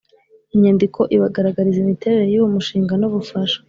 inyandiko ibagaragariza imiterere y uwo mushinga n ubufasha